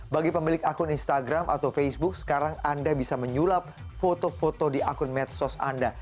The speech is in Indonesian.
bagi pemilik akun instagram atau facebook sekarang anda bisa menyulap foto foto di akun medsos anda